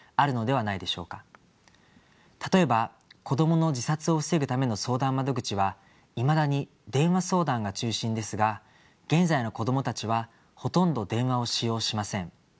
例えば子どもの自殺を防ぐための相談窓口はいまだに電話相談が中心ですが現在の子どもたちはほとんど電話を使用しません。